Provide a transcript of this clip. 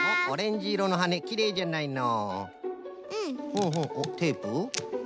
ほうほうテープ？